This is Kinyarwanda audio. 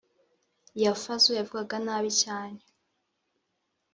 iya Fazzo yavugaga nabi cyane